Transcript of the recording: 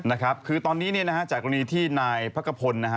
นะครับคือตอนนี้เนี่ยนะฮะจากกรณีที่นายพักกระพลนะฮะ